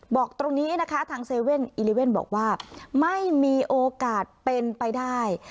บอกตรงนี้นะคะทางเซเว่นอีเลเว่นบอกว่าไม่มีโอกาสเป็นไปได้